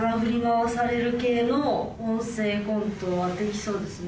の音声コントはできそうですね。